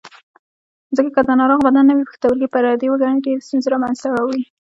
ځکه که د ناروغ بدن نوی پښتورګی پردی وګڼي ډېرې ستونزې منځ ته راوړي.